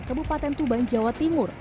kebupaten tuban jawa timur